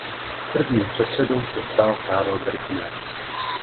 Prvním předsedou se stal Karl Brückner.